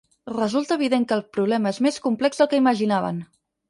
Resulta evident que el problema és més complex del que imaginaven.